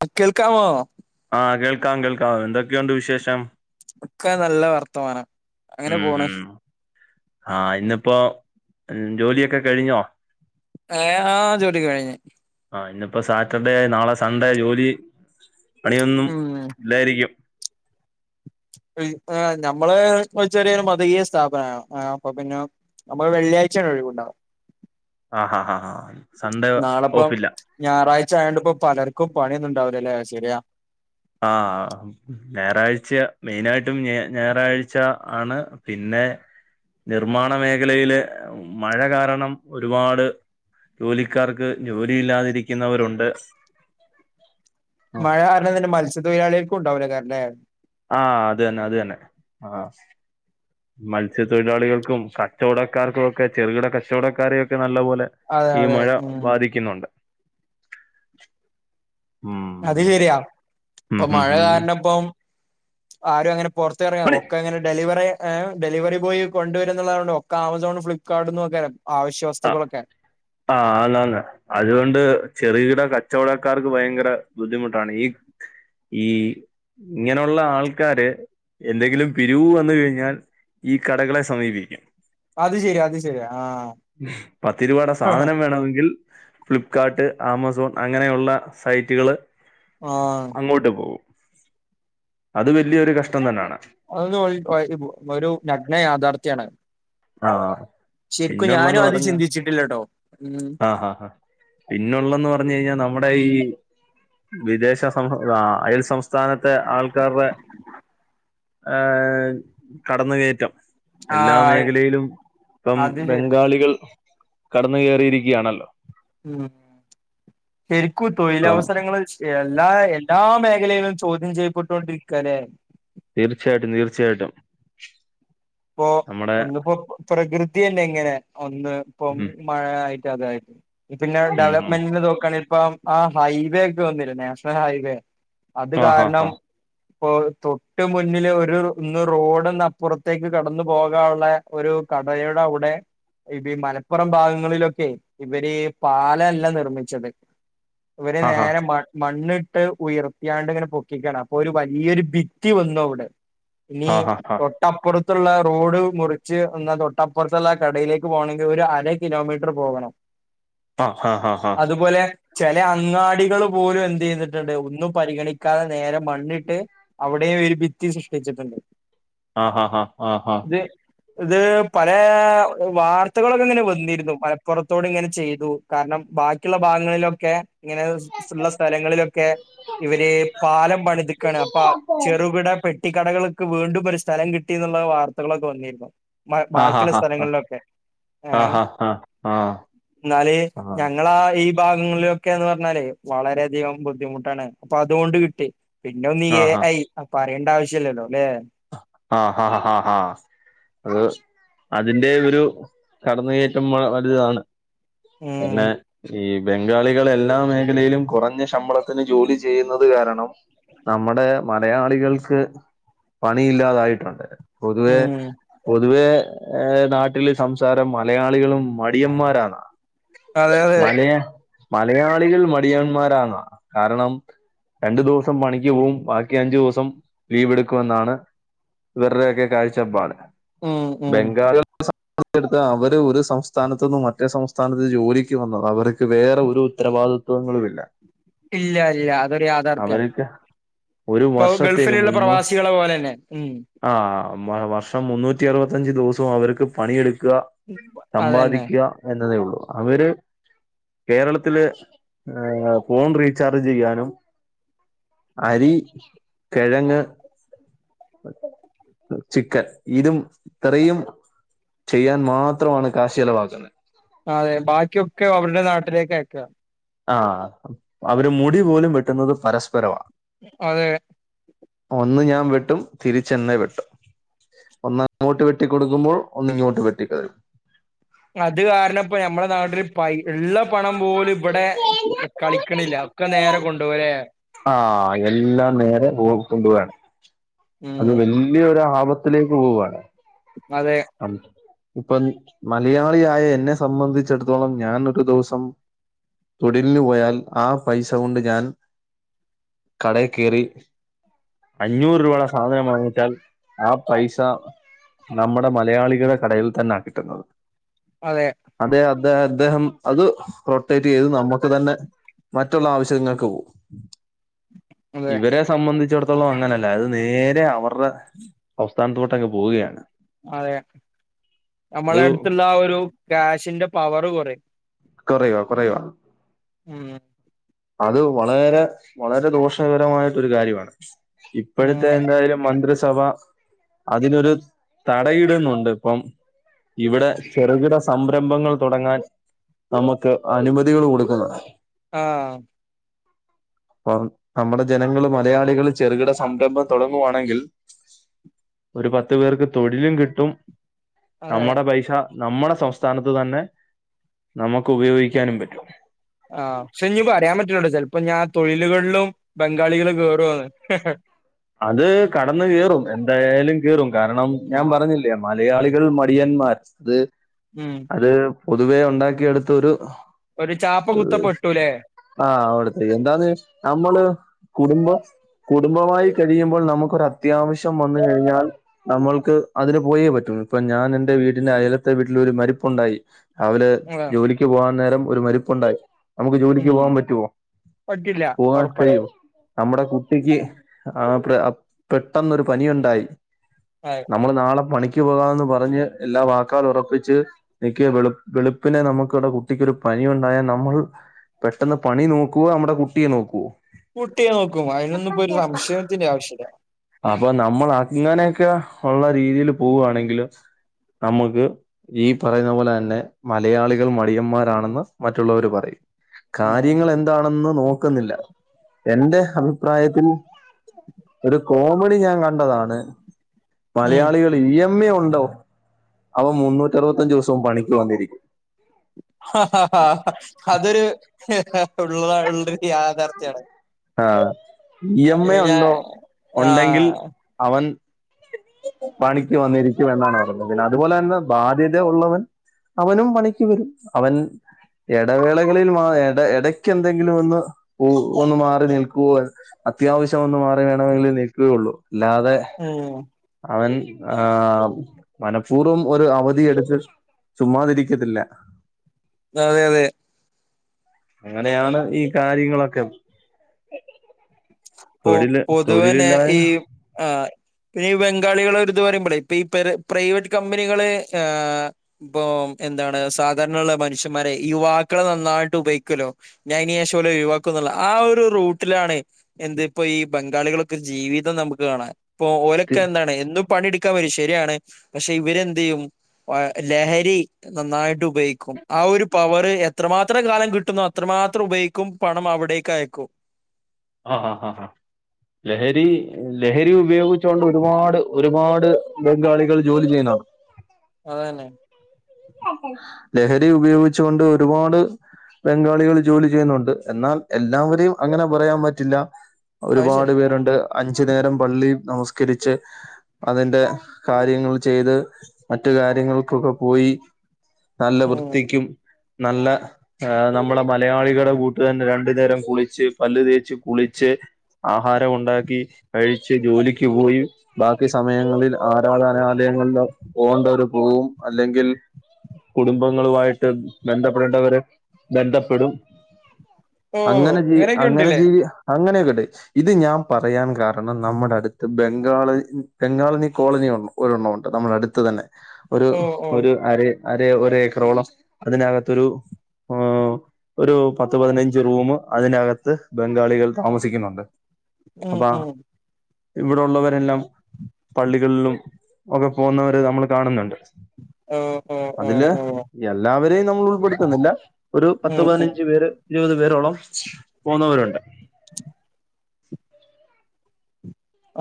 [unintelligible] കേൾക്കാമോ ആഹ്. കേൾക്കാം, കേൾക്കാം. എന്തൊക്കെയുണ്ട് വിശേഷം? ഒക്കെ നല്ല വർത്തമാനം. അങ്ങനെ ഉം, പോണ് ഉം. ആഹ്, ഇന്നിപ്പോ., ജോലിയൊക്കെ കഴിഞ്ഞോ? ഏഹ്? ആഹ് ജോടി കഴിഞ്ഞ് ആഹ്. ഇന്നിപ്പോ സാറ്റർഡേ നാളെ സൺഡേ. ജോലി, പണിയൊന്നും ഉം ല്ലായിരിക്കും. [unintelligible] ഞമ്മള് ഒരു ചെറിയൊരു മതകീയ സ്ഥാപനാണ് അപ്പൊ പിന്നെ ഞമ്മക്ക് വെള്ളിയാഴ്ചാണ് ഒഴിവുണ്ടാവാ. ആഹ് ഹാ ഹാ ഹാ സൺഡേ ഓഫ് ഇല്ലാ? ഞാറാഴ്ച ആയോണ്ട്പ്പോ പലർക്കും പണിയൊന്നുംണ്ടാവൂലല്ലേ? ശരിയാ. ആഹ്, ഹം. ഞായറാഴ്ച. മെയിനായിട്ടും ഞായറാഴ്ച ആണ്. പിന്നെ, നിർമ്മാണ മേഖലയില്, മഴ കാരണം ഒരുപാട് ജോലിക്കാർക്ക്, ജോലി ഇല്ലാതിരിക്കുന്നവരുണ്ട്. മഴ കാരണം തന്നെ മത്സ്യത്തൊഴിലാളി, കൾക്കും ഉണ്ടാവൂലേക്കാരം ല്ലേ? ആഹ്. അത് ന്നെ, അത് ന്നെ. ആഹ് മത്സ്യത്തൊഴിലാളികൾക്കും, കച്ചവടക്കാർക്കും ഒക്കെ, ചെറുകിട കച്ചവടക്കാരെയൊക്കെ നല്ല പോലെ അതെ ഈ അതെ മഴ, ഉം ബാധിക്കുന്നുണ്ട്. ഉം. ഉം, ഉം, ഉം. പ്പോം, ആരും അങ്ങനെ പുറത്തറങ്ങ, പണി ഒക്കെങ്ങനെ ഡെലിവറി ഏ ഡെലിവറി ബോയ് കൊണ്ടുവരുന്നുള്ളതൊണ്ട് ഒക്കെ ആമസോൺ ഫ്ലിപ്കാർട്ട്ന്നൊക്കെ ആവ്യശ്യ വസ്തുക്കളൊക്കെ. ആഹ് ആന്നാന്ന് അതുകൊണ്ട്, ചെറുകിട കച്ചവടക്കാർക്ക് ഭയങ്കര ബുദ്ധിമുട്ടാണ് ഈ ഈ.. ഇങ്ങനുള്ള ആൾക്കാര് എന്തെങ്കിലും പിരിവു വന്ന് കഴിഞ്ഞാൽ, ഈ കടകളെ സമീപിക്കും. അത് ശെരിയാ, അത് ശരിയാ, ആഹ്. പത്ത് രൂപേടെ സാധനം വേണമെങ്കിൽ ഫ്ലിപ്കാർട്ട്, ആമസോൺ അങ്ങനെയൊള്ള സൈറ്റ്കള് ആഹ് അങ്ങോട്ട് പോവും. അത് വെല്യൊരു കഷ്ടം തന്നാണ്. അത് നോക്കി കൊയങ്ങിപ്പോവും. ഒരു നഗ്ന യാഥാർത്ഥ്യാണത്. ആ ശെരിക്കും ഞാനു പിന്നുള്ളെന്ന് അത് ചിന്തിച്ചിട്ടില്ലട്ടോ, ഉം ആഹ്, ഹാ, ഹാ. പിന്നെള്ളെന്ന് പറഞ്ഞഴിഞ്ഞാ, നമ്മുടെ ഈ വിദേശ സം, ആ, അയൽ സംസ്ഥാനത്തെ ആൾക്കാരുടെ ഏഹ്! കടന്നുകയറ്റം. ആഹ്, ആയി ങ്കിലും, പ്പം, ബംഗാളികൾ കടന്ന് കേറിയിരിക്കുകയാണല്ലോ!. ഉം. ശരിക്കും അപ്പം തൊഴിലവസരങ്ങള് എല്ലാ.., എല്ലാ മേഖലയിലും ചോദ്യം ചെയ്യപ്പെട്ടോണ്ടിരിക്കാല്ലേ? തീർച്ചയായിട്ടും, തീർച്ചയായിട്ടും. പ്പോ നമ്മുടെ ഒന്ന്പ്പോ പ്രകൃതിയെന്നെങ്ങനെ, ഒന്ന്പ്പം ഉം മഴ ആയിട്ട് അതായിട്ട്, പിന്നെ ഉം ഉം ഡെവലപ്മെന്റിൻ്റെ നോക്കാണെങ്കിപ്പം. ആഹ്, ഹൈവേ ഒക്കെ വന്ന്ലെ നാഷ്ണൽ ഹൈവേ അത് ആ ഹാ കാരണം. ഹാ പ്പോ തൊട്ട് മുന്നില് ഒരു ഇന്ന് റോഡന്ന്പ്പുറ ത്തേക്ക് കടന്നു പോകാ ഉള്ളെ ഒരു കടയുടെ അവുടെ ഇപ്പീ മലപ്പൊറം ഭാഗങ്ങളിലൊക്കെ ഇവര് പാലല്ല നിർമ്മിച്ചത്. ഇവര് ആ ഹാ നേരെ മ മണ്ണ് ട്ട് ഉയർത്തിയാണ്ട് ങ്ങനെ പൊക്കിക്കാണ്. അപ്പൊ ഒരു വലിയൊരു ഭിത്തി വന്നു അവുടെ. ഇനി ആ ഹാ ഹാ തൊ ട്ടപ്പുറത്ത്ള്ളെ റോഡ് മുറിച്ച് എന്ന തൊട്ടപ്പൊർത്ത്ള്ളെ കടയിലേക്ക് പോവണെങ്കിൽ ഒരു അര കിലോമീറ്റർ പോവണം. ആ ഹാ ഹാ ഹാ അത്പോലെ, ചെലെ അങ്ങാടികള് പോലും എന്തെയ്തിട്ട്ണ്ട്, ഒന്നും പരിഗണിക്കാതെ നേരെ മണ്ണിട്ട് അവിടെയും ഒരു ഭിത്തി സൃഷ്ടിച്ചിട്ട്ണ്ട്. ആഹാ ഹാ ആഹാ. [unintelligible] ഇത് പലേ വാർത്തകളൊക്കെങ്ങനെ വന്നീര്ന്നു, മലപ്പുറത്തോട്ങ്ങനെ ചെയ്തു. കാരണം, ബാക്കിള്ള ഭാഗങ്ങളിലൊക്കെ ഇങ്ങനെ സ് സ് ള്ള സ്ഥലങ്ങളിലൊക്കെ ഇവര് പാലം പണിത്ക്കാണ്. അപ്പ ചെറുകിട പെട്ടികടകള്ക്ക് വീണ്ടും [unintelligible] സ്ഥലം കിട്ടിന്ന്ള്ള വാർത്തകളൊക്കെ വന്നീര്ന്നു. മാ ആ ഹാ ആ ഹാ ബാക്കിള്ള സ്ഥലങ്ങൾലൊക്കെ, ഏ ഹാ ആ ഹാ ഹാ ന്നാല് ഞങ്ങ ങ്ങളാ ഈ ഭാഗങ്ങളിലൊക്കെന്ന് പർഞ്ഞാല് വളരെധികം ബുദ്ധിമുട്ടാണ്. അപ്പൊ അതുകൊണ്ട് കിട്ടി. പിന്നൊന്നീ ആ ഹാ ആ എ ഹാ ഐ അഅ് പറയണ്ടാവശ്യല്ല്യല്ലോ, ല്ലേ. ആഹ് ഹാഹ ഹാഹാ അത് അതിന്റെ ഒരു കടന്നു കയറ്റം വള വലുതാണ്. ഉം പിന്നേ, [unintelligible] ബംഗാളികള് എല്ലാ മേഖലയിലും കൊറഞ്ഞ ശമ്പളത്തിന് ജോലി ചെയ്യുന്നത് കാരണം, നമ്മടെ മലയാളികൾക്ക് പണിയില്ലാതായിട്ടുണ്ട്. പൊതുവേ ഉം പൊതുവേ ഏ നാട്ടില് സംസാരം മലയാളികളും മടിയമ്മാരാന്നാ. അതെ അതെ മലയാ മലയാളികൾ മടിയന്മാരാന്നാ, കാരണം, രണ്ട് ദുവ്സം പണിയ്ക്ക് പോവും, ബാക്കി അഞ്ചു ദുവ്സം ലീവ്ട്ക്കും. ന്നാണ് ഇവര്‌ടെയൊക്കെ കാഴ്ചപ്പാട്. ഉം ഉം ബംഗാളിക [unintelligible] സം [unintelligible] അവര് ഒരു സംസ്ഥാനത്ത്ന്നും മറ്റേ സംസ്ഥാനത്ത് ജോലിയ്ക്ക് വന്നതാ, അവര്ക്ക് വേറെ ഒരു ഉത്തരവാദി സുഖങ്ങളുമില്ല. ഇല്ല, ഇല്ല അതൊരു യാഥാർത്ഥ്യാണ്. ഒരു പ്പോ വർഷത്തേക്ക് ഗൾഫില്ള്ള മുന്നൂ പ്രവാസികളെ പോലെന്നെ. ഉം. ആ വ വർഷം മുന്നൂറ്റി അറുപത്തഞ്ച് ദിവസോം അവർക്ക് പണിയെടുക്കാ. അതന്നെ സമ്പാദിക്ക എന്നതെ ഉള്ളു. അവര്. കേരളത്തില് ഏഹ് ഫോൺ റീചാർജ് ചെയ്യാനും അരി, കെഴങ്ങ്. ചിക്കൻ. ഇതും ഇത്രേയും. ചെയ്യാൻ മാത്രമാണ് കാശെലവാക്കുന്നെ. അതെ. ബാക്കിയൊക്കെ അവരുടെ നാട്ടിലേക്ക് അയക്കാ. ആ. അവര് മുടി പോലും വെട്ടുന്നത് പരസ്പരവാ. അതെ. ഒന്ന് ഞാൻ വെട്ടും. തിരിച്ചെന്നെ വെട്ടും. ഒന്ന് അങ്ങോട്ട് വെട്ടി കൊടുക്കുമ്പോൾ ഒന്ന് ഇങ്ങോട്ട് വെട്ടി തരും. അത് കാരണം ഇപ്പോ നമ്മളെ നാട്ടില് പൈ ഉള്ള പണം പോലും. ഇവിടെ കളിക്ക്ണില്ല. ഒക്കെ നേരെ കൊണ്ടോവാലെ. ആ എല്ലാം നേരെ പോയികൊണ്ടുവാണ്. അത് ഉം വല്ലിയൊര്‌ ആപ [unintelligible] ത്തിലേക്ക് പോവാണ്. അതെ. അം. [inaudible] ഇപ്പം മലയാളിയായ എന്നെ സംബന്ധിച്ചിടത്തോളം ഞാനൊരു ദിവസം. തൊഴിലിനു പോയാൽ ആ പൈസ കൊണ്ട് ഞാൻ. കടേ കേറി അഞ്ഞൂറ് രൂപടെ സാധനം വാങ്ങിച്ചാൽ ആ പൈസ നമ്മ ന്ന മലയാളികളെ കടയിൽ തന്നാ കിട്ടുന്നത്. അതെ അതെ അതെ. അദ്ദേഹം അത് റൊട്ടേറ്റ് ചെയ്തു നമ്മുക്ക് തന്നെ മറ്റുള്ള ആവശ്യങ്ങൾക്ക് പോവും. അതെ ഇവരെ സംബന്ധിച്ചിടത്തോളം അങ്ങനെയല്ല. അത് നേരെ അവറെ ഒ [unintelligible] പോവ്വാണ്. അതെ. അത് നമ്മളെടുത്തുള്ള ആ ഒരു കാശിന്റെ പവറ് കൊറിം. കൊറയോ കൊറയോ. ഉം. അത് വളേരെ വളരെ ദോഷകരമായിട്ടരു കാര്യാണ്. ഇപ്പഴത്തെ ഉം എന്തായാലും മന്ത്രിസവ അതിനൊരു തടയിടുന്നുണ്ട് ഇപ്പം. ഇവിടെ ചെറുകിട സംരംഭങ്ങൾ തൊടങ്ങാൻ നമുക്ക് അനുമതികള് കൊടുക്ക് ന്നേ. ആ. [unintelligible] പ്പം നമ്മള് ജനങ്ങള് മലയാളികള് ചെറുകിട സംരംഭം തുടങ്ങുവാണെങ്കിൽ. ഒരു പത്ത് പേർക്ക് തൊഴിലും കിട്ടും. അതെ നമ്മുടെ പൈസ നമ്മുടെ സംസ്ഥാനത്ത് തന്നെ നമുക്ക് ഉപയോഗിക്കാനും പറ്റും. ആഹ്. ക്ഷേ ഞ്ഞ് പറയാൻ പറ്റൂലട്ടോ. ചെലപ്പഞ്ഞാ തൊഴിലുകളിലും ബംഗാളികള് കയറോന്ന്. ഹെഹ് അത് കടന്ന് കേറും. എന്തായാലും കേറും. കാരണം ഉം ഞാൻ പറഞ്ഞി [unintelligible] [unintelligible] മലയാളികൾ മടിയന്മാർ ത്. ഉം. അത് പൊതുവേ ഉണ്ടാക്കിയെടുത്തൊരു [inaudible] ഒരു ചാപ്പം കുത്തപ്പെട്ടുലേ. ആഹ് അവിടുത്തെ എന്താത്. നമ്മള് കുടുംബം കുടുംബമായി. കഴിയുമ്പോൾ നമുക്കൊര അത്യാവശ്യം വന്നു കഴിഞ്ഞാൽ. നമ്മൾക്ക് അതിന് പോയേ പറ്റുള്ളൂ. ഇപ്പൊ ഞാൻ എൻറെ വീടിന്റെ അയലത്തെ വീട്ടില ഒരു മരിപ്പുണ്ടായി. അവല് അതെ ജോലിക്ക് പോവാൻ നേരം ഒരു മരിപ്പുണ്ടായി. നമുക്ക് ജോലിക്ക് ഉം പോവാൻ പറ്റുവോ. പറ്റില്ല പോകാൻ ഒറപ്പല്ലേ കഴിയോ? നമ്മുടെ കുട്ടിക്ക് ആഹ് പെടെ പെട്ടെന്നൊരു പനിയുണ്ടായി. ആഹ് നമ്മള് നാളെ പണിക്ക് പോകാന്ന് പറഞ്ഞ് എല്ലാ വാക്കാലുറപ്പിച്ച് നിക്ക് വെളുപ് വെളുപ്പിനെ നമ്മക്കിവിടെ കുട്ടിക്കൊരു പനി ഉണ്ടായാൽ നമ്മൾ പെട്ടെന്ന് പണി നോക്കുവോ നമ്മുടെ കുട്ടിയെ നോക്കോ കുട്ടിയെ നോക്കും അതിനൊന്നും ഇപ്പോ ഒരു സംശയത്തിന്റെ ആവശ്യല്ല അപ്പൊ നമ്മൾ അങ്ങനെയൊക്കെ ഉള്ള രീതിയില് പോവാണെങ്കില് നമ്മുക്ക് ഈ പറയുന്ന പോലെ തന്നെ മലയാളികൾ മടിയന്മാരാണെന്ന് മറ്റുള്ളവര് പറയും. ഉം കാര്യങ്ങളെന്താണെന്നു നോക്കുന്നില്ല. എന്റെ അഭിപ്രായത്തിൽ ഒരു കോമഡി ഞാൻ കണ്ടതാണ്. ഉം മലയാളികൾ ഇ എം എ ഉണ്ടോ അവൻ മുന്നൂറ്ററുപതഞ്ചു ദിവസോം പണിക്ക് വന്നിരിക്കും. ഹ ഹ ഹാ അതൊരു ഉള്ള ഉള്ളര് യാ ആഹ് ഇ എം എ ഞാൻ ഉണ്ടോ ഉണ്ടെങ്കിൽ ആഹ് അവൻ പണിക്ക് വന്നിരിക്കും എന്നാണ് പറഞ്ഞത് പിന്നെ അതുപോലെ തന്നെ ബാധ്യത ഉള്ളത് അവനും പണിക്ക് വരും അവൻ എടവേളകളിൽ മാ എട ഇടക്ക് എന്തെങ്കിലും ഒന്ന് പോവോഒന്ന് മാറി നിൽക്കോ അത്യാവശ്യം ഒന്ന് മാറി വേണമെങ്കിൽ നിൽക്കുകയുള്ളൂ അല്ലാതെ ഉം അവൻ ആഹ് മനപൂർവ്വം ഒരു അവധി എട്ത്ത് ചുമ്മാതിരിക്കത്തില്ല അതെ അതെ അങ്ങനെയാണ് ഈ കാര്യങ്ങളൊക്കെ തൊഴില് ഇപ്പോപൊതുവനെ ഈ തൊഴിലില്ലായ്മ ആഹ് പിന്നെ ഈ ബംഗാളികളെരിത് പറയുമ്പളേ ഇപ്പൊ ഇപെരെ പ്രൈവറ്റ് കമ്പനികള് ഏഹ് ഇപ്പൊ എന്താണ് സാധാരണള്ള മനുഷ്യന്മാരെ യുവാക്കളെ നന്നായിട്ട് ഉപൈക്കല്ലോ? ഞാന് അയ്നേഷം ഓലേ ഒയിവാക്കോന്ന്ള്ള ആഹ് ഒരു റൂട്ടിലാണേ എന്തേ ഇപ്പ ഈ ബംഗാളികളൊക്കൊര്ജീവിതം നമുക്ക് കാണാം ഇപ്പൊ ഓലൊക്കെ എന്താണ് എന്നും പണിയെടുക്കാൻ വരും ശരിയാണ് പക്ഷെ ഇവരെന്ത് ചെയ്യും ലഹരി നന്നായിട്ട് ഉപയോഗിക്കും ആ ഒരു പവർ എത്രമാത്രം കാലം കിട്ടുന്നു അത്രമാത്രം ഉപയോഗിക്കും ക്കും പണം അവിടേക്ക് അയക്കും ആഹ് ആഹ് ആഹ് ആഹ് ലഹരി ലഹരി ഉപയോഗിച്ചുകൊണ്ട് ഒരുപാട് ഒരുപാട് ബംഗാളികൾ ജോലി ചെയ്യുന്നു അതെന്നെ ലഹരി ഉപയോഗിച്ചുകൊണ്ട് ഒരുപാട് ബംഗാളികൾ ജോലി ചെയ്യുന്നുണ്ട് എന്നാൽ എല്ലാവരെയും അങ്ങനെ പറയാൻ പറ്റില്ല. അത് ഒരുപാട് ശരിയാ ഉം പേരുണ്ട് അഞ്ചു നേരം പള്ളി നമസ്കരിച്ച് അതിന്റെ കാര്യങ്ങൾ ചെയ്ത് മറ്റു കാര്യങ്ങൾക്കൊക്കെ പോയി നല്ല ഉം വൃത്തിക്കും നല്ല ആ നമ്മളെ മലയാളികളുടെ കൂട്ടു തന്നെ രണ്ടു നേരം കുളിച്ച് പല്ല് തേച്ച് കുളിച്ച് ആഹാരം ഉണ്ടാക്കി കഴിച്ച് ജോലിക്ക് പോയി ബാക്കി സമയങ്ങളിൽ ആരാധനാലയങ്ങളിൽ പോകേണ്ട വര് പോവും അല്ലെങ്കിൽ കുടുംബങ്ങളുമായിട്ട് ബന്ധപ്പെടേണ്ടവര് ബന്ധപ്പെടും ഓ അങ്ങനെ ജീ അങ്ങനെയൊക്കെ അങ്ങനെ ഉണ്ട്ല്ലേ ജീവി അങ്ങനെയൊക്കട്ടെ ഇത് ഞാൻ പറയാൻ കാരണം നമ്മുടെ അടുത്ത് ബംഗാള ബംഗാളിന കോളനി വന്നു ഒരുഎമൗണ്ട് നമ്മളെട്ത്ത് തന്നെ ഒരു ഓ ഓ ഒരു അരെ അര് ഒരു ഏക്കറോളം അതിനകത്തൊരു ഒരു പത്ത് പതിനഞ്ച് റൂം അതിനകത്ത് ബംഗാളികൾ താമസിക്കുന്നുണ്ട്. ഉം അബാ ഉം ഇവിടെ ഉള്ളവരെല്ലാം പള്ളികളിലും ഒക്കെ പോകുന്നവര് നമ്മള് കാണ്ന്ന്ണ്ട് ഉം ഉം അതിലെ എല്ലാവരെയും നമ്മൾ ഉൾപ്പെടുത്തുന്നില്ല ഒരു പത്ത് ഉം ഉം പതിനഞ്ച് പേര് ഇരുപത് പേരോളം പോന്നവരുണ്ട്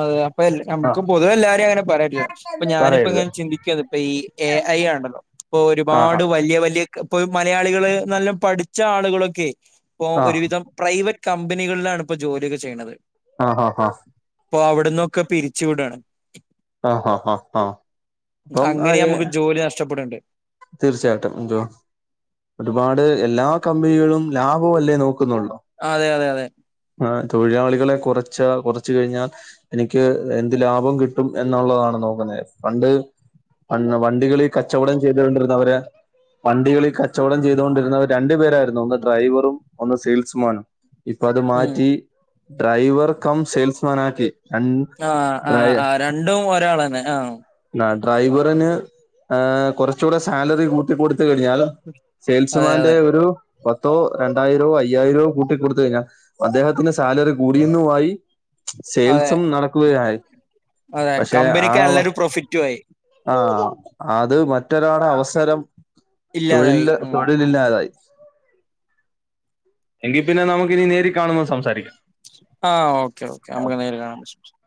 അതെ അപ്പൊ ആ നമുക്ക് പൊതുവെ എല്ലാരിം അങ്ങനെ പറയാ റ്റൂല്ല. ഇപ്പ ഞാനിപ്പോ പറയരുത് ഇങ്ങനെ ചിന്തിക്കേന്ന്. ഇപ്പ ഈ എ ഐ ആണല്ലോ. ഇപ്പൊ ആ ആ ഒരുപാട് വലിയ വലിയ ഇപ്പൊ മലയാളികള് നല്ല പഠിച്ച ആളുകളൊക്കെ ഇപ്പൊ ആ ഒരുവിധം പ്രൈവറ്റ് കമ്പനികളിലാണ് ഇപ്പോൾ ജോലിയൊക്കെ ചെയ്യണത് ആഹ ആഹ ആാ ഇപ്പൊ അവ്ട്ന്നൊക്കെ പിരിച്ചുവിടാണ് ആ ആ ആ അപ്പം ആ അങ്ങനെ ഏ നമുക്ക് ജോലി നഷ്ടപ്പെടണ്ട് തീർച്ചയായിട്ടും ൻജോ ഒരുപാട് എല്ലാ കമ്പനികളും ലാഭമല്ലേ നോക്കുന്നുള്ളൂ ആഹ് അതെ അതെ അതെ. ആഹ് തൊഴിലാളികളെ കൊറച്ച്, കൊറച്ച് കഴിഞ്ഞാ എനിക്ക് എന്ത് ലാഭം കിട്ടും എന്നുള്ളതാണ് നോക്കുന്നെ. പണ്ട് അന്ന് വണ്ടികളിൽ കച്ചവടം ചെയ്തൊണ്ടിരുന്നവരെ വണ്ടികളിൽ കച്ചവടം ചെയ്തോണ്ടിരുന്നത് രണ്ടു പേരായിരുന്നു ഒന്ന് ഡ്രൈവറും ഒന്ന് സെയിൽസ്മാനും. ഇപ്പൊ അത് ഉം മാറ്റി ഡ്രൈവർ കം സെയിൽസ്മാൻ ആക്കി. രൺ- ആഹ് ആഹ് ഡ്രൈ- ആഹ് രണ്ടും ഒരാളന്നെ. ആഹ് ആഹ് ഡ്രൈവറിന് ഏഹ് കുറച്ചൂടെ സാലറി കൂട്ടി കൊടുത്ത് കഴിഞ്ഞാൽ അതെ സെയിൽസ്മാന്റെ അതെ ഒരു പത്തോ രണ്ടായിരോ അയ്യായിരോ കൂട്ടിക്കൊടുത്ത് കഴിഞ്ഞാ അദ്ദേഹത്തിന്റെ സാലറി കൂടിന്നു ആയി അതെ സേയിൽസും നടക്കുക ആയി. അതെ പക്ഷെ കമ്പനിക്ക് ആഹ് വ നല്ലൊരു പ്രോഫിറ്റും ആയി ആഹ് അത് മറ്റൊരാളെ അവസരം ഇല്ലാതായി തൊഴിൽല്, ഉം തൊഴിലില്ലാതായി. എങ്കി പിന്നെ നമുക്കിനി നേരി കാണുമ്മം സംസാരിക്കാം. ആഹ് ഓക്കെ ഓക്കെ നമുക്ക് നേരി കാണുംമ്പം സംസം